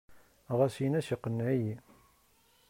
Ɣas in-as iqenneɛ-iyi.